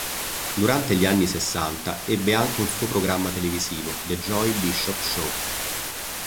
Durante gli anni sessanta ebbe anche un suo programma televisivo, "The Joey Bishop Show".